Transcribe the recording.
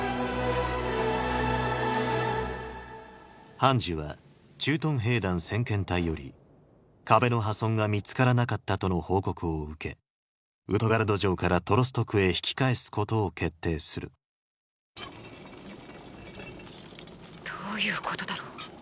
ハンジは駐屯兵団先遣隊より壁の破損が見つからなかったとの報告を受けウトガルド城からトロスト区へ引き返すことを決定するどういうことだろう。